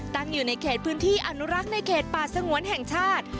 ตั้งอยู่ในเขตพื้นที่อนุรักษ์ในเขตป่าสงวนแห่งชาติ